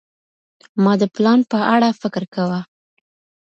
ما د پلان په اړه فکر کاوه.